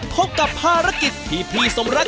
พบกับภารกิจที่พี่สมรัก